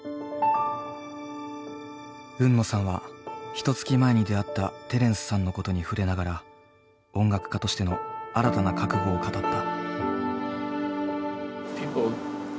海野さんはひとつき前に出会ったテレンスさんのことに触れながら音楽家としての新たな覚悟を語った。